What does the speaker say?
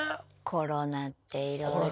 コロナっていろいろ。